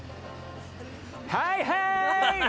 はいはーい！